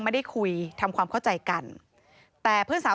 ก็ไม่รู้ว่าฟ้าจะระแวงพอพานหรือเปล่า